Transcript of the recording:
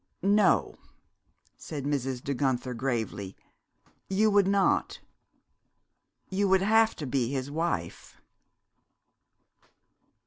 "No," said Mrs. De Guenther gravely. "You would not. You would have to be his wife."